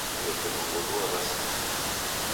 W'eke ongolua w'asingie.